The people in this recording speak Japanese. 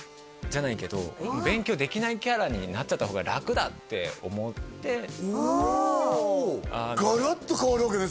じゃないけど勉強できないキャラになっちゃった方が楽だって思っておガラッと変わるわけね